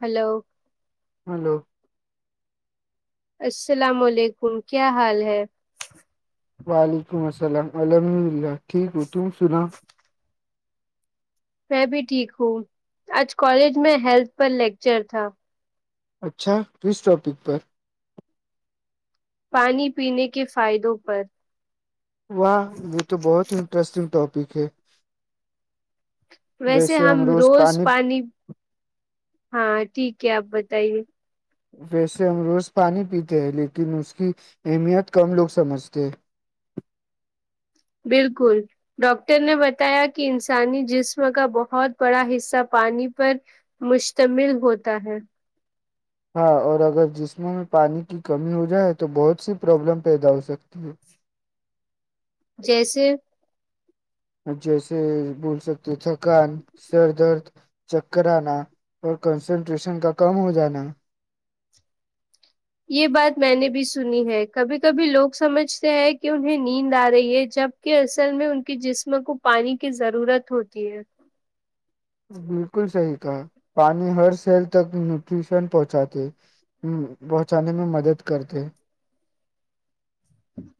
hello hello [unintelligible] السلام علیکم کیا حال ہے وعلیکم السلام الحمد للہ ٹھیک ہو تم سنا [unintelligible] میں بھی ٹھیک ہوں آج کالج میں ہیلتھ پر لیکچر تھا اچھا توس ٹاپک پر [unintelligible] پانی پینے کے فائدوں پر [unintelligible] واہ یہ تو بہت انٹرسٹنگ ٹاپ [unintelligible] [unintelligible] پھے [unintelligible] ویسے ہم روز پانی ہاں ٹھیک ہے آپ بتائیے ویسے ہم روز پانی پیتے ہیں لیکن اس کی اہمیت کم لوگ سمجھتے ہیں [unintelligible] بالکل ڈاکٹر نے بتایا کہ انسانی جسم کا بہت بڑا حصہ پانی پر مشتمل ہوتا ہے ہاں اور اگر جسموں میں پانی کی کمی ہو جائے تو بہت سی پرابلم پیدا ہو سکتی ہے [unintelligible] جیسے جیسے بول سکتے تھکان سر درد چک کررانا اور کنسنٹریشن کا کم ہو جانا [unintelligible] یہ بات میں نے بھی سنی ہے کبھی کبھی لوگ سمجھتے ہیں کہ انہیں نیند آ رہی ہے جبکہ اصل میں ان کے جسم کو پانی کی ضرورت ہوتی ہے بالکل صحیح تھا پانی ہر سیل تک نیوٹریشن پہنچاتے پہنچانے میں مدد کرتے [unintelligible]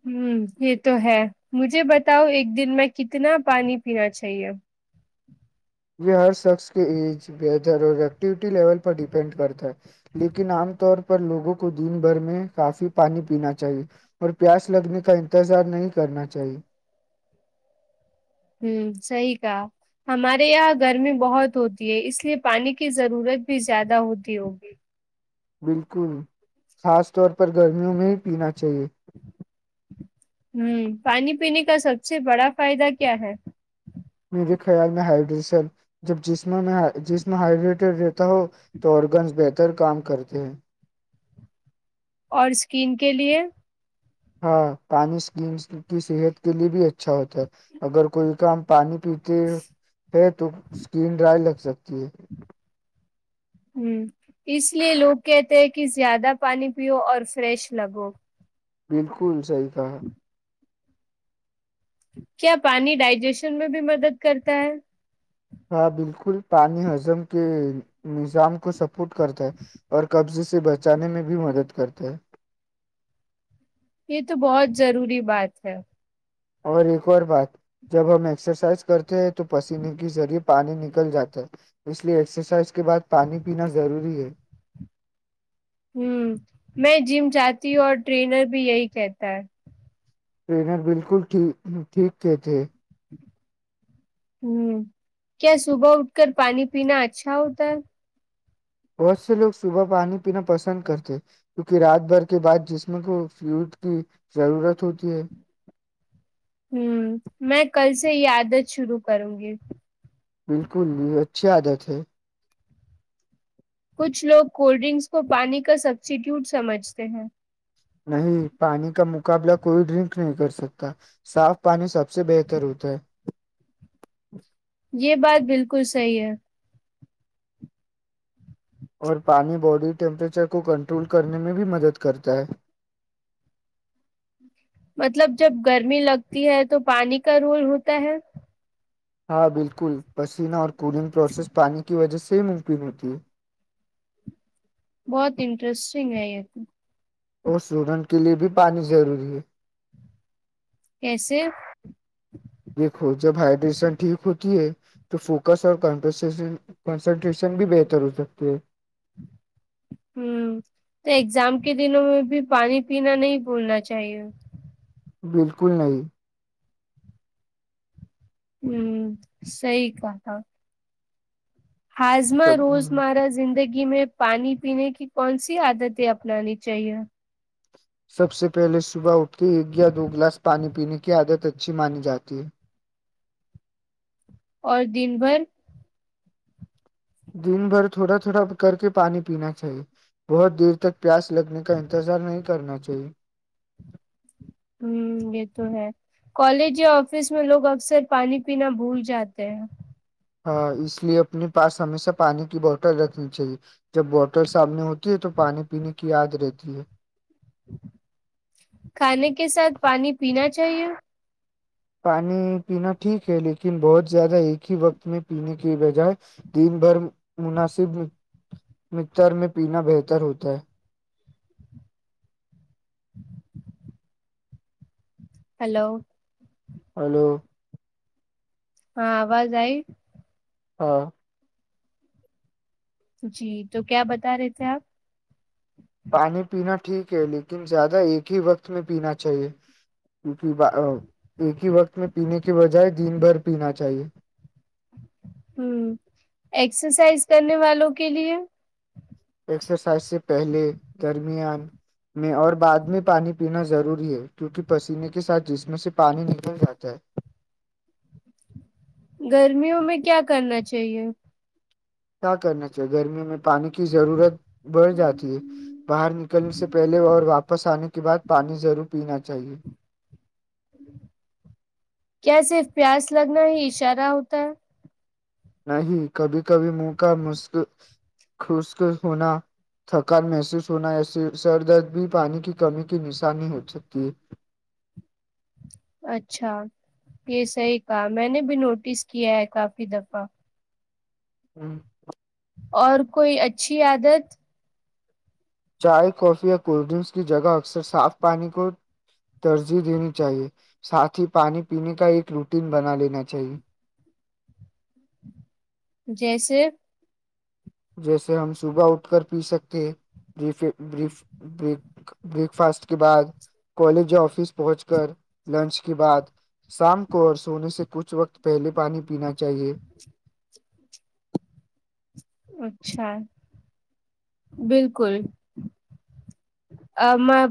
ہ یہ تو ہے مجھے بتاؤ ایک دن میں کتنا پانی پینا چاہیے [unintelligible] یہ ہر شخص کے ای بتر اور ایکٹو [unintelligible] لیول پر ڈیپینڈ کرتا ہے لیکن عام طور پر [unintelligible] پر لوگوں کو دن بھر میں کافی پانی پینا چاہیے اور پیاس لگنے کا انتظار نہیں کرنا چاہیے [unintelligible] ہوں صحی کہا ہمارے یہاں گرمی بہت ہوتی ہے اس لیے پانی کی ضرورت بھی زیادہ ہوتی ہوگی بالکل خاص طور پر گرمیوں میں ہی پینا [unintelligible] چاہیے [unintelligible] ہوں پانی پینے کا سب سے بڑا فائدہ کیا ہے میرے خیال میں ہائیڈریشن جب جسم ہائیڈریٹڈ رہتا ہو تو آگنز بہتر کام کرتے ہیں [unintelligible] اور سکین کے لئے ہاں پانی اسکیمس کی صحت کے لیے بھی اچھا ہوتا ہے اگر کوئی کام پانی [unintelligible] پچ [unintelligible] تو اسکین ڈرائی لگ سکتی ہے [unintelligible] ہ اس لیے لوگ کہتے ہیں کہ زیادہ پانی پیو اور فریش لگو [unintelligible] بالکل [unintelligible] جی کاا [unintelligible] کیا پانی ڈائجیشن میں بھی مدد کرتا ہے ہاں بالکل پانی ہضم کے نظام کو سپورٹ کرتا ہے اور قبضے سے بچانے میں بھی مدد کرتا ہے یہ تو بہت ضروری بات ہے اور ایک اور بات جب ہم ایکسرسائز کرتے ہیں تو پسینے کے ذریعہ پانی نکل جاتا ہے اس لیے ایکسرسائز کے بعد پانی پینا ضروری ہے ہ میں جم جاتی ہوں اور ٹرینر بھی یہی کہتا ہے ٹرینر بالکل ٹھیک کے تھے ہ کیا صبح اٹھ کر پانی پینا اچھا ہوتا ہے بہت سے لوگ صبح پانی پینا پسند کرتے کیونکہ رات بھر کے بعد جسم کو فلوڈ کی ضرورت ہوتی ہے ہوں میں کل سے یہ عادت شروع کروں گی بالکل بھی اچھی عادت ہے کچھ لوگ کولڈ ڈرنکس کو پانی کا سبسٹیٹیوٹ سمجھتے ہیں نہیں پانی کا مقابلہ کوئی ڈرنک نہیں کر سکتا صاف پانی سب سے بہتر ہوتا ہے یہ بات بالکل صحیح ہے اور پانی باڈی ٹیمپریچر کو کنٹرول کرنے میں بھی مدد کرتا ہے مطلب جب گرمی لگتی ہے تو پانی کا رول ہوتا ہے ہاں بالکل پسینہ اور کولنگ پروسیس پانی کی وجہ سے ممکن ہوتی بہت انٹرسٹ چ اور سوڈنٹ کے لیئے بھی پانی ضروری ہے کیسے دیکھو جب ہائیڈریشن ٹھیک ہوتی ہے تو فوکس اور کنسنٹریشن بھی بہتر ہو سکتی ہے ہ تو ایگزام کے دنوں میں بھی پانی پینا نہیں بھولنا چاہیے بالکل نہیں ہوں صحی کہ تھا ہاضما سب روز مارا زندگی میں پانی پینے کی کون سی عادتیں اپنانی چاہیے سب سے پہلے صبح اٹھ کے ایک یا دو گلاس پانی پینے کی عادت اچھی مانی جاتی ہے اور دن بھر دن بھر تھوڑا تھوڑا کر کے پانی پینا چاہیے بہت دیر تک پیاس لگنے کا انتظار نہیں کرنا چاہی [inaudible] ہ یہ تو ہے کالج یا آفس میں لوگ اکثر پانی پینا بھول جاتے ہیں ہاں اس لیے اپنے پاس ہمیشہ پانی کی بوٹل رکھنی چاہیے جب بوٹل سامنے ہوتی ہے تو پانی پینے کی یاد رہتی ہے کھانے کے ساتھ پانی پینا چاہیے پانی پینا ٹھیک ہے لیکن بہت زیادہ ایک ہی وقت میں پینے کی بجائے دن بھر مناسب مر میں پینا بہتر ہوتا ہے ہ ہیلو ہلو ہاں آواز آئی ہاں جی تو کیا بتا رہے تھے آپ پانی پینا ٹھیک ہے لیکن زیادہ ایک ہی وقت میں پینا چاہیے کیونکہ ایک ہی وقت میں پینے کے بجائے دن بھر پینا چاہیے ہوں ایکسرسائز کرنے والوں کے لیے ایکسرسائز سے پہلے درمیان میں اور بعد میں پانی پینا ضروری ہے کیونکہ پسینے کے ساتھ جسم سے پانی نکل جاتا ہے گرمیوں میں کیا کرنا چاہیے کیا کرنا چاہیے گرمیوں میں پانی کی ضرورت بڑھ جاتی ہے باہر نکلنے سے پہلے اور واپس آنے کے کے بعد پانی ضرور پینا چاہیے کیا صرف پیاس لگنا ہی اشارہ ہوتا ہے نہیں کبھی کبھی منہ کا مسک خشک ہونا تھکان محسوس ہونا ایس سر درد بھی پانی کی کمی کی نشانی ہو سکتی ہے اچھا یہ صحی کہ میں نے بھی نوٹس کیا ہے کافی دفعہ ہوں اور کوئی اچھی عادت چائے کافی یا کولڈ ڈرنکس کی جگہ اکثر صاف پانی کو ترجیح دینی چاہیے، ساتھ ہی پانی پینے کا ایک روٹین بنا لینا چاہیئے جیسے جیسے ہم صبح اٹھ کر پی سکتے بریکفاسٹ کے بعد کالج یا آفس پہنچ کر لنچ کے بعد شام کو اور سونے سے کچھ وقت پہلے پانی پینا چاہیئے اچھا بالکل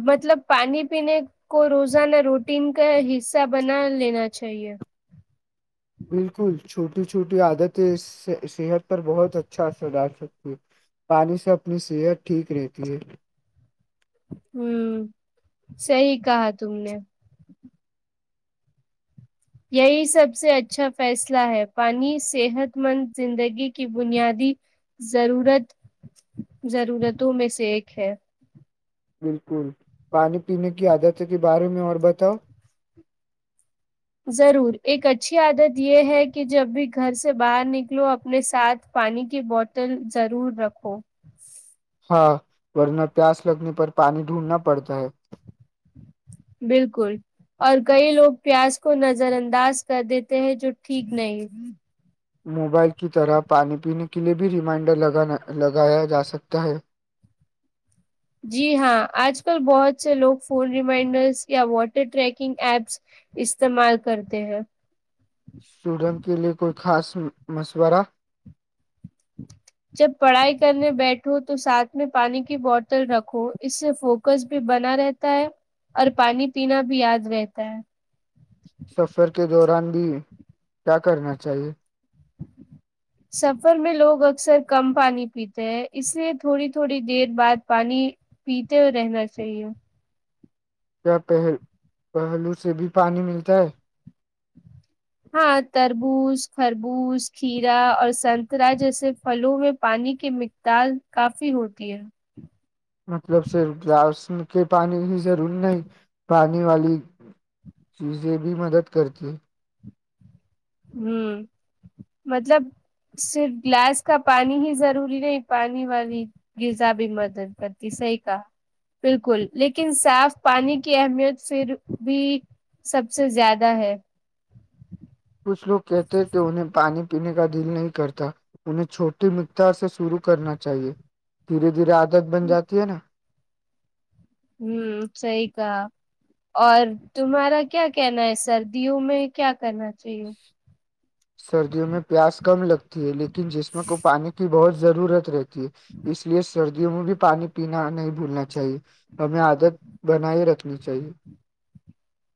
مطلب پانی پینے کو روزانہ روٹین کا حصہ بنا لینا چاہیے بالکل چھوٹی چھوٹی عادتیں اس سے صحت پر بہت اچھا اثر ڈال سکتی ہیں پانی سے اپنی صحت ٹھیک رہتی ہے ہوں صی کہا تم نے یہی سب سے اچھا فیصلہ ہے پانی صحت مند زندگی کی بنیادی ضرورت ضرورتوں میں سے ایک ہے بالکل پانی پینے کی عادت کے بارے میں اور بتاؤ ضرور ایک اچھی عادت یہ ہے کہ جب بھی گھر سے باہر نکلو اپنے ساتھ پانی کی بوتل ضرور رکھو ہاں ورنہ پیاس لگنے پر پانی ڈھونڈنا پڑتا ہے بالکل اور کئی لوگ پیاز کو نظر انداز کر دیتے ہیں جو ٹھیک نہیں موبائل کی طرح پانی پینے کے لیئے بھی ریمائنڈر لگایا جا سکتا ہے جی ہاں آج کل بہت سے لوگ فون ریمائنڈرس یا واٹر ٹریکنگ ایپس استعمال کرتے ہیں سویڈن کے لیے کوئی خاص مشورہ جب پڑھائی کرنے بیٹھو تو ساتھ میں پانی کی بوتل رکھو اس سے فوکس بھی بنا رہتا ہے اور پانی پینا بھی یاد رہتا ہے سفر کے دوران بھی کیا کرنا چاہیے سفر میں لوگ اکثر کم پانی پیتے ہیں اس لیئے تھوڑی تھوڑی دیر بعد پانی پیتے ہو رہنا چاہیے کیا پ پہلو سے بھی پانی ملتا ہے ہاں تربوز خربوز کھیرا اور سنترہ جیسے پھلوں میں پانی کی مقدار کافی ہوتی ہے مطلب صرف گلاس کے پانی ہی ضرور نہیں پانی والی چیزیں بھی مدد کرتی ہ مطلب صرف گلاس کا پانی ہی ضروری نہیں پانی والی غذا بھی مدد کرتی صحیح کہا بالکل لیکن صاف پانی کی اہمیت پھر بھی سب سے زیادہ ہے کچھ لوگ کہتے ہیں کہ انہیں پانی پینے کا دل نہیں کرتا انہیں چھوٹی مقدار سے شروع کرنا چاہیے دھیرے دھیرے آج مدد بن جاتی ہے نا ہوں صحیح کہا اور تمہارا کیا کہنا ہے سردیوں میں کیا کرنا چاہیے سردیوں میں پیاس کم لگتی ہے لیکن جسم کو پانی کی بہت ضرورت رہتی ت اس لیے سر بھی پانی پینا نہیں بھولنا چاہیے ہمیں عادت بنائے رکھنی چاہیے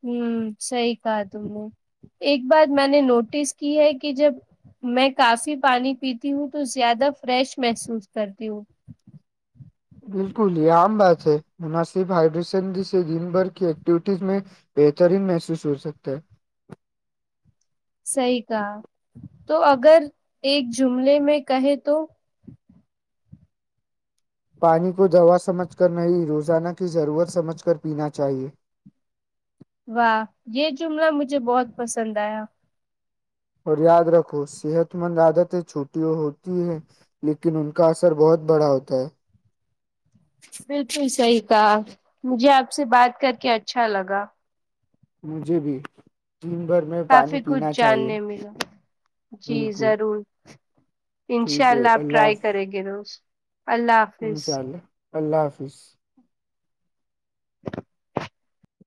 ہوں صحیح کہا تم نے ایک بار میں نے نوٹس کی ہے کہ جب میں کافی پانی پیتی ہوں تو زیادہ فریش محسوس کرتی ہوں بالکل یہ عام بات ہے، مناسب ہائیڈریشن جسے دن بھر کی ایکٹیویٹیز میں بہترین محسوس ہوسکتا ہے صحیح کہا تو اگر ایک جملے میں کہے تو پانی کو دوا سمجھ کر نہیں، روزانہ کی ضرورت سمجھ کر پینا چاہیئے واہ یہ جملہ مجھے بہت پسند آیا اور یاد رکھو صحت مند عادتیں چھوٹیوں ہوتی ہیں لیکن ان کا اثر بہت بڑا ہوتا ہے بالکل صحی کہا مجھے آپ سے بات کر کے اچھا لگا مجھے بھی دن بھر میں پانی کافی کچھ پینا چاہیے جاننے ملاو جی بالکل ضرور انشاء ٹھیک ہے اللہ آپ ٹرائی حافظ کریں گے روز اللہ حافظ انشاء [unintelligible] اللہ اللہ حافظ [unintelligible]